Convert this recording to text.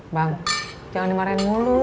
bang jangan dimarahin mulu